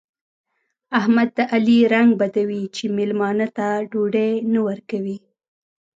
احمد د علي رنګ بدوي چې مېلمانه ته ډوډۍ نه ورکوي.